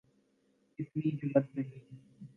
اتنی ہمت نہیں۔